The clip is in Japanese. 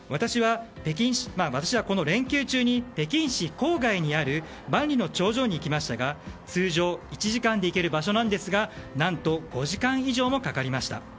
私は、この連休中に北京市郊外にある万里の長城に行きましたが通常１時間で行ける場所なんですが何と５時間以上もかかりました。